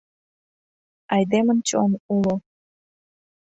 Айдемын чон уло.